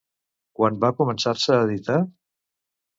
Quan va començar-se a editar?